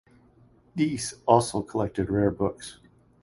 Deese also collected rare books.